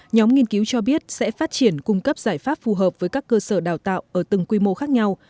nhóm nghiên cứu cho biết sẽ phát triển cung cấp giải pháp phù hợp với các cơ sở đào tạo ở từng quy mô khác nhau